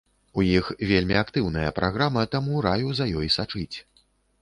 У іх вельмі актыўная праграма, таму раю за ёй сачыць.